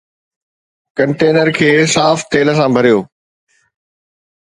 container کي صاف تيل سان ڀريو